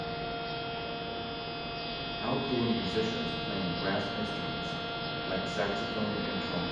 Outdoor musicians playing brass instruments like saxophone and trumpet.